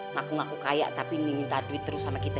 ngaku ngaku kaya tapi ini minta duit terus sama kita